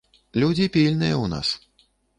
Людзі пільныя ў нас.